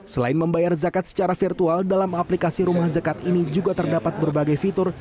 selain membayar zakat secara virtual dalam aplikasi rumah zakat ini juga terdapat berbagai fitur